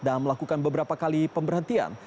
dan melakukan beberapa kali pemberhentian